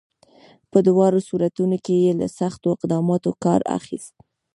په دواړو صورتونو کې یې له سختو اقداماتو کار اخیست.